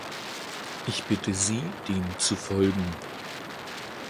Ich bitte Sie, dem zu folgen.